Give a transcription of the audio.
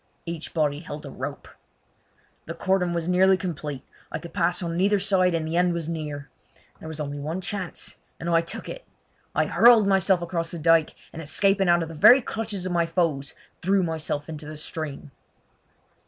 Each body held a rope. The cordon was nearly complete. I could pass on neither side, and the end was near. There was only one chance, and I took it. I hurled myself across the dyke, and escaping out of the very clutches of my foes threw myself into the stream.